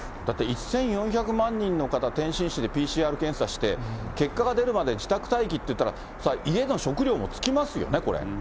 だって１４００万人の方、天津市でＰＣＲ検査して、結果が出るまで自宅待機っていったら、そりゃ家の食料も尽きますよね、これ。